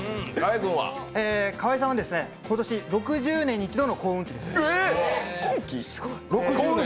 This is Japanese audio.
河合さんは今年６０年に一度の幸運期です。